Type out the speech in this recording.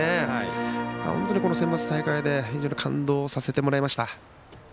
本当にセンバツの大会で感動させてもらえました。